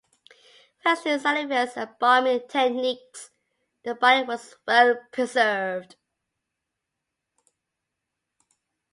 Thanks to Salafia's embalming techniques, the body was well preserved.